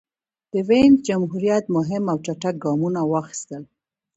د وینز جمهوریت مهم او چټک ګامونه واخیستل.